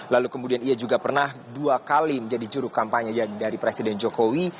lalu kemudian ia juga pernah dua kali menjadi juru kampanye dari presiden jokowi